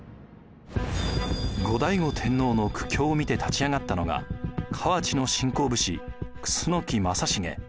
後醍醐天皇の苦境を見て立ち上がったのが河内の新興武士楠木正成。